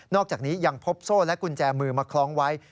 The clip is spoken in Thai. อกจากนี้ยังพบโซ่และกุญแจมือมาคล้องไว้